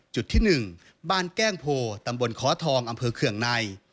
จุดที่๑บ้านแก้งโพตำบลค้อทองอำเภอเคืองใน